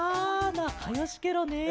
なかよしケロね。